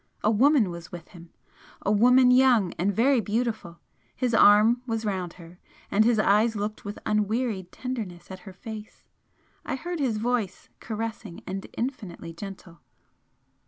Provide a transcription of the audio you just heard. A woman was with him a woman young and very beautiful his arm was round her, and his eyes looked with unwearied tenderness at her face. I heard his voice caressing, and infinitely gentle.